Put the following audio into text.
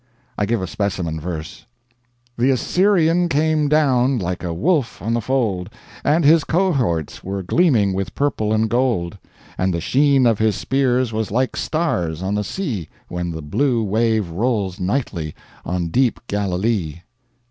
I give a specimen verse: The Assyrian came down like a wolf on the fold, And his cohorts were gleaming with purple and gold; And the sheen of his spears was like stars on the sea, When the blue wave rolls nightly on deep Galilee.